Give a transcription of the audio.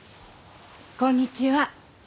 こんにちは。